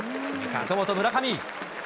岡本、村上。